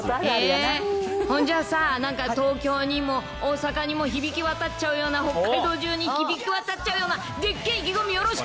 ほんじゃさ、東京にも、大阪にも響き渡っちゃうような北海道中に響き渡っちゃうような、でっけー意気込みよろしく。